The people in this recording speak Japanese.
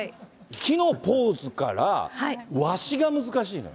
木のポーズからワシが難しいのよ。